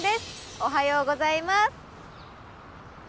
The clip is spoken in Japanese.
おはようございます。